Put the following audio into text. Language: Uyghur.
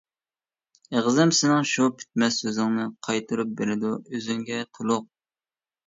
ئېغىزىم سېنىڭ شۇ پۈتمەس سۆزۈڭنى قايتۇرۇپ بېرىدۇ ئۆزۈڭگە تولۇق.